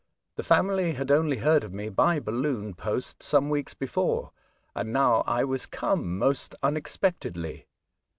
The family had only heard of me by balloon post some weeks before, and now I was come, most unexpectedly.